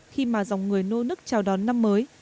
khi mà dòng người nô nức chào đón năm mới